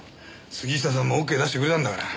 杉下さんもＯＫ出してくれたんだから。